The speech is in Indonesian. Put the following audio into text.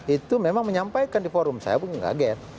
itu memang menyampaikan di forum saya pun kaget